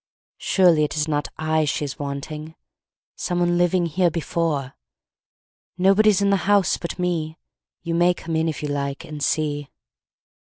Surely it is not I she's wanting; Someone living here before "Nobody's in the house but me: You may come in if you like and see."